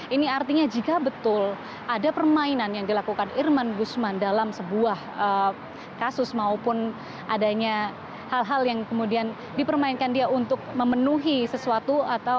ini artinya jika betul ada permainan yang dilakukan irman gusman dalam sebuah kasus maupun adanya hal hal yang kemudian dipermainkan dia untuk memenuhi sesuatu